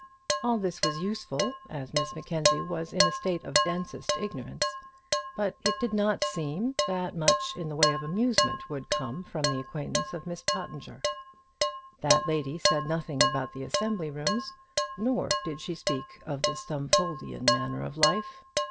All this was useful, as Miss Mackenzie was in a state of densest ignorance; but it did not seem that much in the way of amusement would come from the acquaintance of Mrs Pottinger. That lady said nothing about the assembly rooms, nor did she speak of the Stumfoldian manner of life.